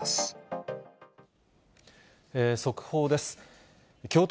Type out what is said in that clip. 速報です。